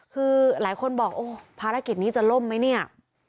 คือหลายคนบอกโอ้ภารกิจนี้จะล่มไหมเนี่ย